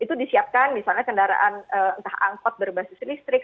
itu disiapkan misalnya kendaraan entah angkot berbasis listrik